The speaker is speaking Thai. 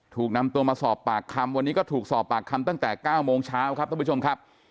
ถูกนำตัวมาสอบปากคำวันนี้ก็ถูกสอบปากคำตั้งแต่๙โมงเช้าครับท่านผู้ชมครับ